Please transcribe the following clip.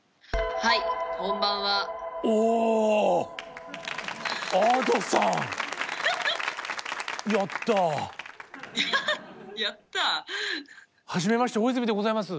はははやったぁ⁉はじめまして大泉でございます。